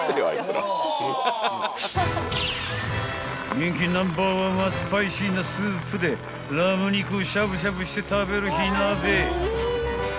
［人気ナンバーワンはスパイシーなスープでラム肉をしゃぶしゃぶして食べる火鍋］